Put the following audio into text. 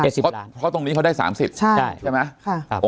เจ็ดสิบล้านเพราะตรงนี้เขาได้สามสิบใช่ใช่ไหมค่ะครับ